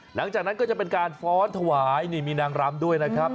หลังจากนั้นก็จะเป็นการฟ้อนถวายนี่มีนางรำด้วยนะครับ